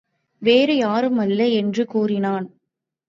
வேறு யாருமல்ல! என்று கூறினான்.